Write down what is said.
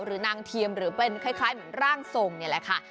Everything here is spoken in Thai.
หรือนางเทียมหรือเป็นคล้ายร่างทรงนี่แหละค่ะ